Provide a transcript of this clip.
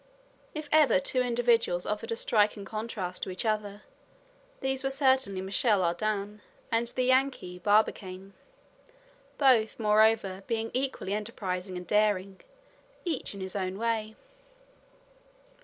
If ever two individuals offered a striking contrast to each other, these were certainly Michel Ardan and the Yankee Barbicane; both, moreover, being equally enterprising and daring, each in his own way.